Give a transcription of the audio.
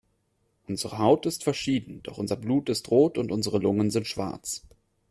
Unsere Haut ist verschieden, doch unser Blut ist rot und unsere Lungen sind schwarz.